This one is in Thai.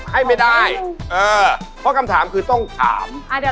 ให้ไม่ได้เออเพราะคำถามคือต้องถาม